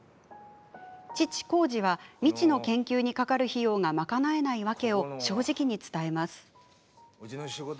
父・耕治は未知の研究にかかる費用が賄えない訳を正直に伝えます。